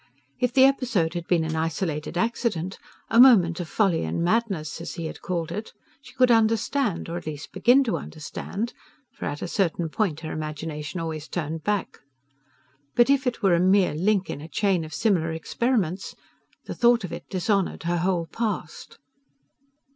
If the episode had been an isolated accident "a moment of folly and madness", as he had called it she could understand, or at least begin to understand (for at a certain point her imagination always turned back); but if it were a mere link in a chain of similar experiments, the thought of it dishonoured her whole past...